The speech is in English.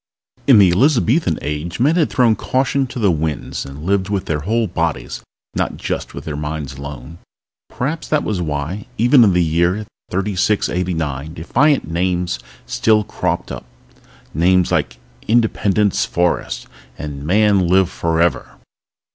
In the Elizabethan Age men had thrown caution to the winds and lived with their whole bodies, not just with their minds alone. Perhaps that was why, even in the year 3689, defiant names still cropped up. Names like Independence Forest and Man, Live Forever!